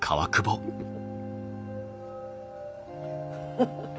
フフフ。